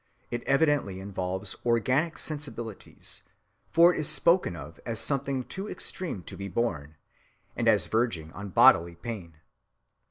It evidently involves organic sensibilities, for it is spoken of as something too extreme to be borne, and as verging on bodily pain.